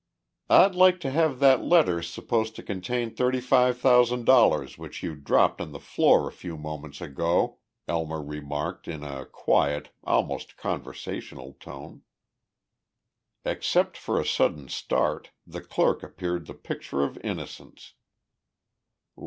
"I'd like to have that letter supposed to contain thirty five thousand dollars which you dropped on the floor a few moments ago," Elmer remarked in a quiet, almost conversational tone. Except for a sudden start, the clerk appeared the picture of innocence.